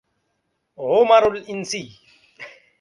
عمر الأنسي